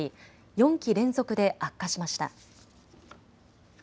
４期連続で悪化しました。